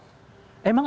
emang ada kekuasaan